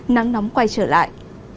nắng nóng quay trở lại